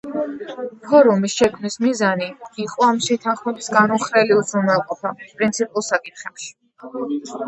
ფორუმის შექმნის მიზანი იყო ამ შეთანხმების განუხრელი უზრუნველყოფა, პრინციპულ საკითხებში.